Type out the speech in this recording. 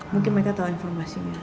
mungkin mereka tau informasinya